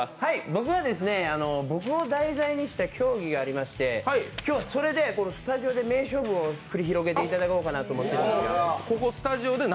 僕は、僕を題材にした競技がありまして、今日はそれでスタジオで名勝負を繰り広げてもらおうかなと思います。